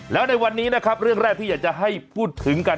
แล้วในวันนี้นะครับเรื่องแรกที่อยากจะให้พูดถึงกัน